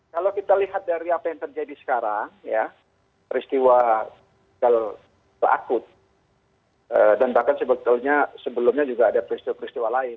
kalau kita lihat dari apa yang terjadi sekarang ya peristiwa gagal akut dan bahkan sebetulnya sebelumnya juga ada peristiwa peristiwa lain